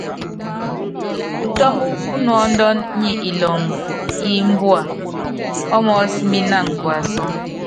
Putɔ́mb pú nuɔ́ndɔn nyɛ ilɔŋ í imbua ɔ́ mɔɔ́s mí ínan kuasɔ́.